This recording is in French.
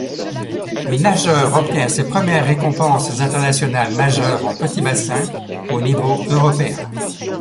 Le nageur obtient ses premières récompenses internationales majeures en petit bassin au niveau européen.